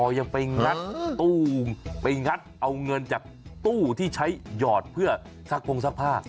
ยังไปงัดตู้ไปงัดเอาเงินจากตู้ที่ใช้หยอดเพื่อซักพงซักผ้า